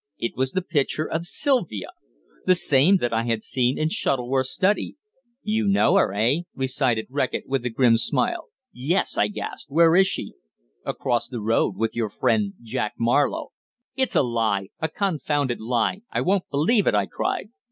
It was the picture of Sylvia! The same that I had seen in Shuttleworth's study. "You know her eh?" remarked Reckitt, with a grim smile. "Yes," I gasped. "Where is she?" "Across the road with your friend Jack Marlowe." "It's a lie! A confounded lie! I won't believe it," I cried.